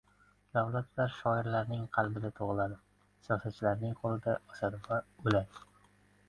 • Davlatlar shoirlarning qalbida tug‘iladi, siyosatchilarning qo‘lida o‘sadi va o‘ladi.